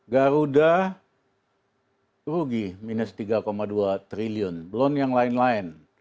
garuda rugi minus tiga dua triliun belum yang lain lain